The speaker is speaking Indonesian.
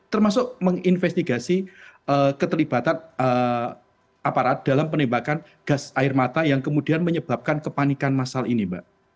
termasuk menginvestigasi keterlibatan aparat dalam penembakan gas air mata yang kemudian menyebabkan kepanikan masal ini mbak